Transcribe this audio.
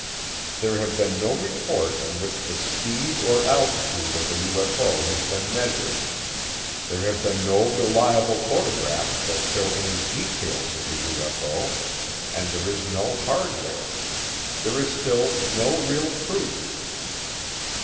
There have been no reports in which the speed or altitude of a UFO has been measured, there have been no reliable photographs that show any details of a UFO, and there is no hardware. There is still no real proof.